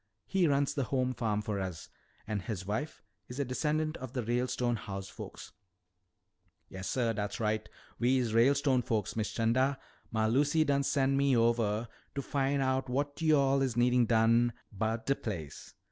He runs the home farm for us. And his wife is a descendant of the Ralestone house folks." "Yassuh, dat's right. We's Ralestone folks, Miss 'Chanda. Mah Lucy done sen' me ovah to fin' out what yo'all is a needin' done 'bout de place.